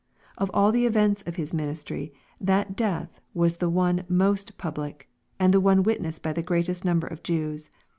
Of all the events of His min istry, that death was the one most public, and the one witnessed by the greatest number of Jews.